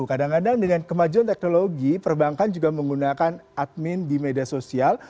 kadang kadang dengan kemajuan teknologi perbankan juga menggunakan admin di media sosial